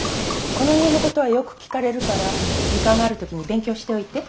この家のことはよく聞かれるから時間がある時に勉強しておいて。